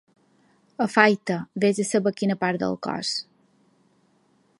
Afaita, ves a saber quina part del cos.